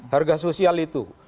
harga sosial itu